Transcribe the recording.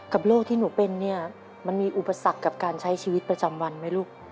โรคที่หนูเป็นเนี่ยมันมีอุปสรรคกับการใช้ชีวิตประจำวันไหมลูก